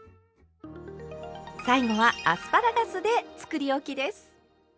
最後はアスパラガスでつくりおきです。